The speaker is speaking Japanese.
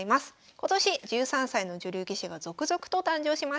今年１３歳の女流棋士が続々と誕生しました。